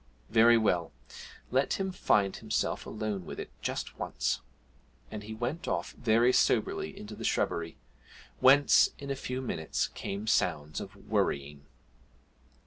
Very well, let him find himself alone with it just once! And he went off very soberly into the shrubbery, whence in a few minutes came sounds of 'worrying.'